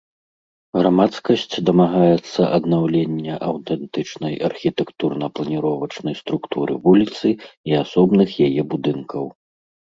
Грамадскасць дамагаецца аднаўлення аўтэнтычнай архітэктурна-планіровачнай структуры вуліцы і асобных яе будынкаў.